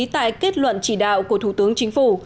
tại kết luận chỉ đạo của thủ tướng chính phủ